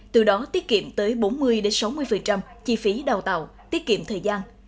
từ đó tiết kiệm tới bốn mươi sáu mươi chi phí đào tạo tiết kiệm thời gian